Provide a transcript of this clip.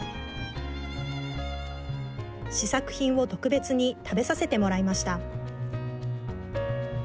試作品を特別に食べさせてもらいました。